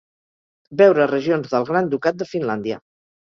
Veure Regions del Gran Ducat de Finlàndia.